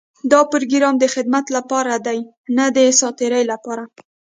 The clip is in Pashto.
دا پروګرام د خدمت لپاره دی، نۀ د ساعتېري لپاره.